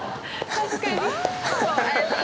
確かに。